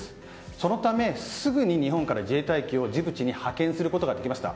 そのため、すぐに日本から自衛隊機をジブチに派遣することができました。